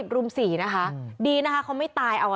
๓๐รุ่น๔นะคะดีนะคะเขาไม่ตายเอาค่ะ